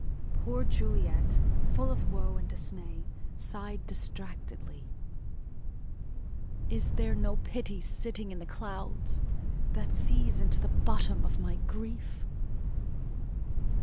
Poor Juliet, full of woe and dismay, sighed distractedly: "Is there no pity sitting in the clouds That sees into the bottom of my grief?"